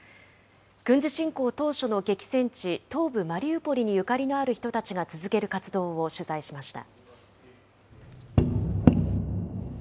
軍事侵攻当初の激戦地、東部マリウポリにゆかりのある人たちが続ける活動を取材しました。